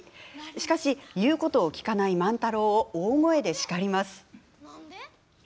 しかし、言うことを聞かない万太郎を大声で叱ります。